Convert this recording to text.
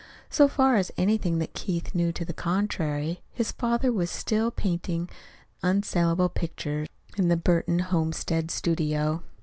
So far as anything that Keith knew to the contrary, his father was still painting unsalable pictures in the Burton home stead studio.